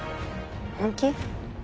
本気？